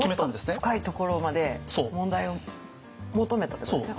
もっと深いところまで問題を求めたってことですね。